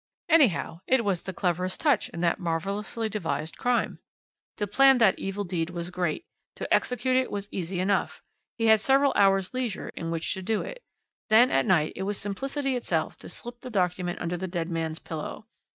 "Anyhow, it was the cleverest touch in that marvellously devised crime. To plan that evil deed was great, to execute it was easy enough. He had several hours' leisure in which to do it. Then at night it was simplicity itself to slip the document under the dead man's pillow.